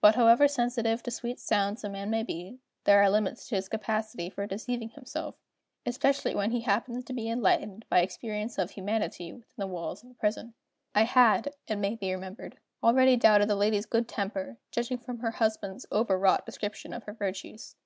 But however sensitive to sweet sounds a man may be, there are limits to his capacity for deceiving himself especially when he happens to be enlightened by experience of humanity within the walls of a prison. I had, it may be remembered, already doubted the lady's good temper, judging from her husband's over wrought description of her virtues.